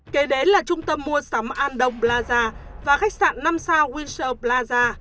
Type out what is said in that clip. kể đến là trung tâm mua sắm andong plaza và khách sạn năm sao windsor plaza